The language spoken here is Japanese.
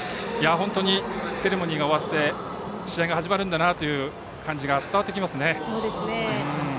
本当に、セレモニーが終わって試合が始まるんだなという感じが伝わってきます。